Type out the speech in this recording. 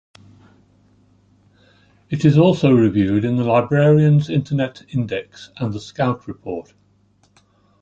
It is also reviewed in the Librarian's Internet Index and the Scout Report.